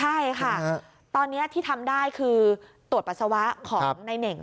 ใช่ค่ะตอนนี้ที่ทำได้คือตรวจปัสสาวะของในเน่ง